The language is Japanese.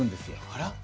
あら？